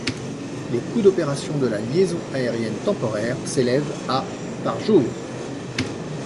Les coûts d'opération de la liaison aérienne temporaire s'élèvent à par jour.